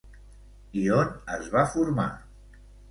I on es va formar?